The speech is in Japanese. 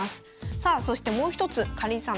さあそしてもう一つかりんさん